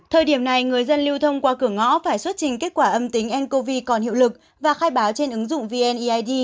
thời điểm này người dân lưu thông qua cửa ngõ phải xuất trình kết quả âm tính ncov còn hiệu lực và khai báo trên ứng dụng vneid